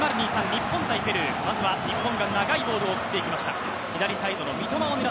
日本×ペルー、まずは日本が長いボールを送っていきました。